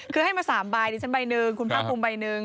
คือให้มา๓ใบดิฉันใบหนึ่งคุณพร้อมปุ๋มใบหนึ่ง